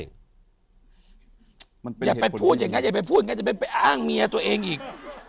อย่าไปพูดอย่างนั้นอย่าไปพูดอย่างนั้นจะไปอ้างเมียตัวเองอีก